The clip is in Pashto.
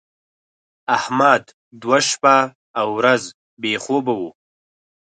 احمد دوه شپه او ورځ بې خوبه و.